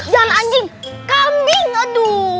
jangan anjing kambing aduh